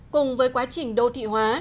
cùng với quá trình đô thị hóa